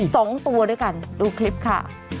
สองตัวด้วยกันดูคลิปค่ะ